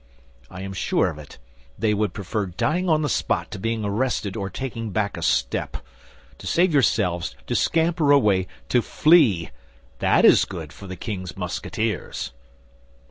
I am sure of it—they would prefer dying on the spot to being arrested or taking back a step. To save yourselves, to scamper away, to flee—that is good for the king's Musketeers!"